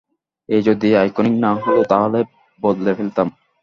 এটা যদি আইকনিক না হলো তাহলে বদলে ফেলতাম।